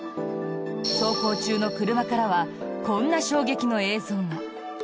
走行中の車からはこんな衝撃の映像が。